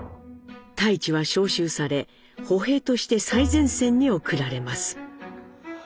太市は召集され歩兵として最前線に送られます。